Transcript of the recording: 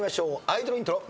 アイドルイントロ。